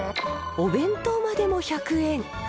お弁当までも１００円。